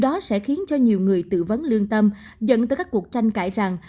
đó sẽ khiến cho nhiều người tự vấn lương tâm dẫn tới các cuộc tranh cãi rằng